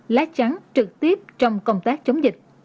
lá trắng trực tiếp trong công tác chống dịch